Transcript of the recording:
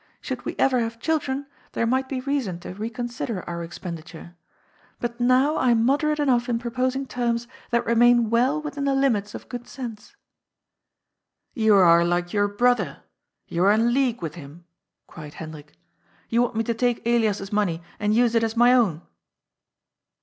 Should we ever have children, there might be reason to reconsider our expenditure. But now I am moderate enough in proposing terms that remain well within the limits of good sense." " You are like your brother ! You are in league with him!" cried Hendrik. ^'You want me to take Elias's money and use it as my own!